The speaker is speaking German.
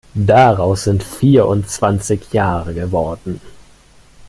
Daraus sind vierundzwanzig Jahre geworden.